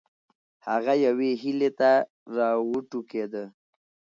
هغه یوې هیلې ته راوټوکېده.